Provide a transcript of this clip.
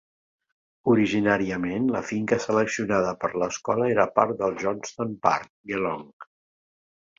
Originàriament, la finca seleccionada per l'escola era part del Johnstone Park, Geelong.